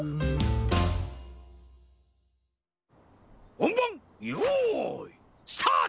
ほんばんよういスタート！